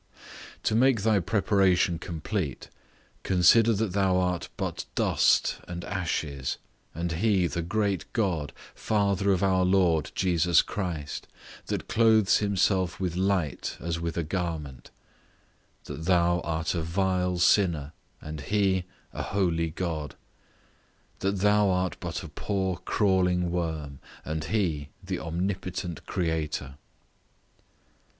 To make thy preparation complete, consider that thou art but dust and ashes; and he the great God, Father of our Lord Jesus Christ, that clothes himself with light as with a garment; that thou art a vile sinner, and he a holy God; that thou art but a poor crawling worm, and he the omnipotent Creator.